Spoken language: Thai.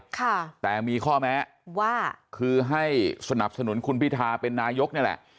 ค่ะแต่มีข้อแม้ว่าคือให้สนับสนุนคุณพิทาเป็นนายกนี่แหละ